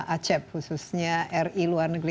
acep khususnya ri luar negeri